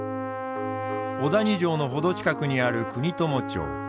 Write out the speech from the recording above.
小谷城の程近くにある国友町。